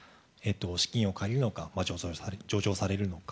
資金を借りるのか上場されるのか